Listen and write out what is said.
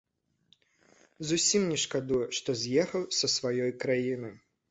Зусім не шкадую, што з'ехаў са сваёй краіны.